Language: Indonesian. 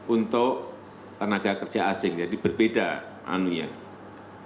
untuk tenaga kerja asing jadi berbeda anu an